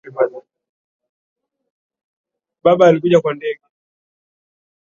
Baba alikuja kwa ndege